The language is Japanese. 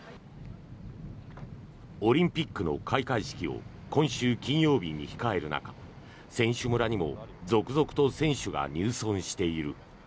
オリンピックの開会式を今週金曜日に控える中選手村にも続々と選手が入村している。